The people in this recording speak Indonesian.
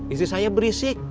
istri saya berisik